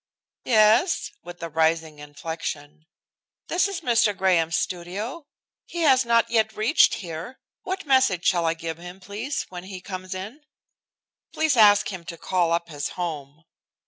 "Yes?" with a rising inflection, "this is Mr. Graham's studio. He has not yet reached here. What message shall I give him, please, when he comes in?" "Please ask him to call up his home."